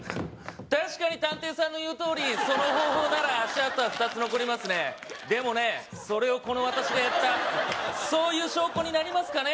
確かに探偵さんの言うとおりその方法なら足跡は２つ残りますねでもねそれをこの私がやったそういう証拠になりますかね？